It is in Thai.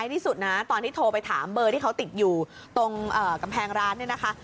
ที่สุดนะตอนที่โทรไปถามเบอร์ที่เขาติดอยู่ตรงกำแพงร้านเนี่ยนะคะ